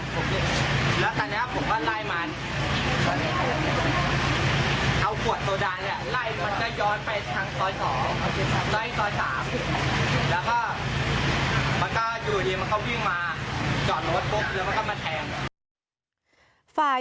ฟายภาย